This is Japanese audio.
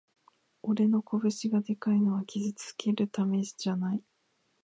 俺の拳がでかいのは傷つけるためじゃない